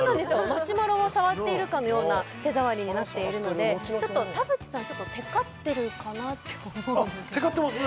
マシュマロを触っているかのような手触りになっているのでちょっと田渕さんテカってるかなって思うのであっテカってます？